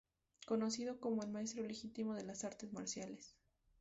Conocido como el Maestro Legítimo de las Artes Marciales.